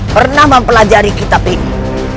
pernah mempelajari kitab ini